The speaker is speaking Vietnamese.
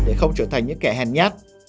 để không trở thành những kẻ hèn nhát